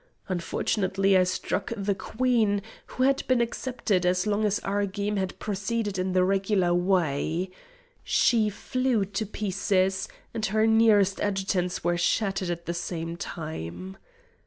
Unfortunately, I struck the queen, who had been excepted, as long as our game had proceeded in the regular way. She flew to pieces, and her nearest adjutants were shattered at the same time.